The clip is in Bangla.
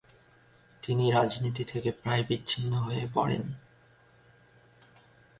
তিনি রাজনীতি থেকে প্রায় বিচ্ছিন্ন হয়ে পড়েন।